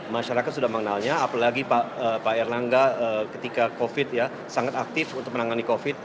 masyarakat sudah mengenalnya apalagi pak erlangga ketika covid sembilan belas sangat aktif untuk menangani covid sembilan belas